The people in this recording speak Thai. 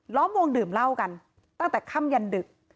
้อมวงดื่มเหล้ากันตั้งแต่ค่ำยันดึก